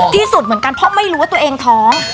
ที่สุดเหมือนกันเพราะไม่รู้ว่าตัวเองท้อง